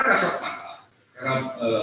kasar mata karena